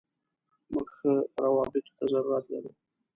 موږ ښو راوبطو ته ضرورت لرو.